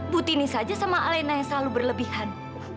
butini saja sama alena yang selalu berlebihan